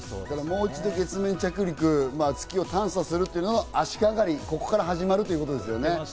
もう一度、月面着陸、月を探査するというのは、ここから始まるということですね。